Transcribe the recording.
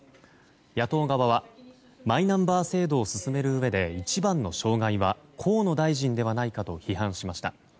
野党側はマイナンバー制度を進めるうえで一番の障害は河野大臣ではないかと批判しました。